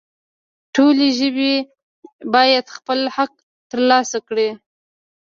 ټولې ژبې باید خپل حق ترلاسه کړي